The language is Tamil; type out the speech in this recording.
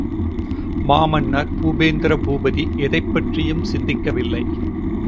மாமன்னர் பூபேந்திர பூபதி எதைப்பற்றியும் சிந்திக்கவில்லை.